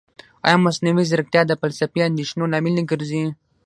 ایا مصنوعي ځیرکتیا د فلسفي اندېښنو لامل نه ګرځي؟